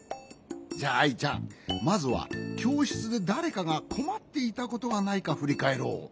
じゃあアイちゃんまずはきょうしつでだれかがこまっていたことがないかふりかえろう。